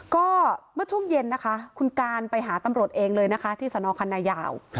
ก็เมื่อช่วงเย็นนะคะคุณการไปหาตำรวจเองเลยนะคะที่สนคันนายาว